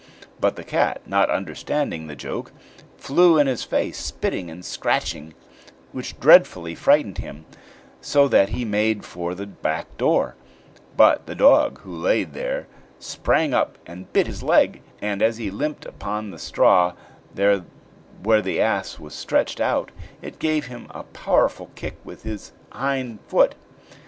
But the cat, not understanding the joke, flew in his face, spitting and scratching, which dreadfully frightened him, so that he made for the back door; but the dog, who laid there, sprang up and bit his leg; and as he limped upon the straw where the ass was stretched out, it gave him a powerful kick with its hind foot.